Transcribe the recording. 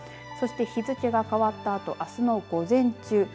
そして日付が変わったあとあすの午前中